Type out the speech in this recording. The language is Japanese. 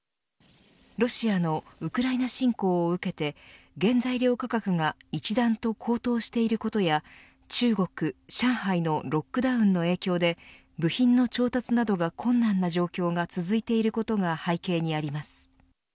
ロシアのウクライナ侵攻を受けて原材料価格が一段と高騰していることや中国、上海のロックダウンの影響で部品の調達などが困難な状況が続いていることが背景にあります。